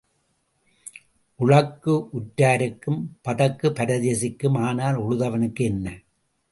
உழக்கு உற்றாருக்கும் பதக்குப் பரதேசிக்கும் ஆனால் உழுதவனுக்கு என்ன?